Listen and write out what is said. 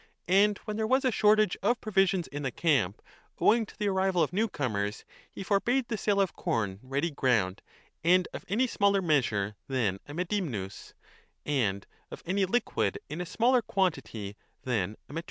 And when there was a shortage of provisions in the camp owing to the arrival of newcomers, he forbade the sale of corn ready ground, and of any smaller measure than a medinmus, and 10 of any liquid in a smaller quantity than a mctreta.